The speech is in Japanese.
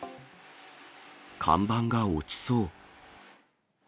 看板が落ちそう。